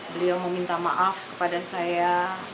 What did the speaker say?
beliau meminta maaf kepada saya